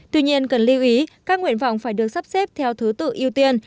tuy nhiên cần lưu ý các nguyện vọng phải được sắp xếp theo thứ tự ưu tiên